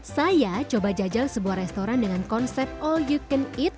saya coba jajal sebuah restoran dengan konsep all you can eat